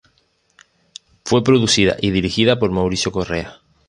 Fue producida y dirigida por Mauricio Correa.